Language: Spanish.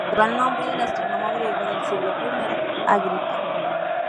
Lleva el nombre del astrónomo griego del siglo I Agripa.